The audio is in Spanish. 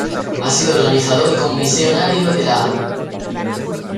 Ha sido organizador y comisario de la exposición Mil·lenum.